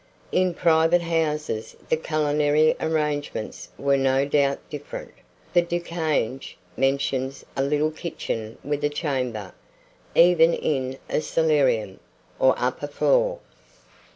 In private houses the culinary arrangements were no doubt different; for Du Cange mentions a little kitchen with a chamber, even in a solarium, or upper floor.